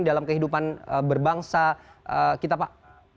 dalam kehidupan berbangsa kita pak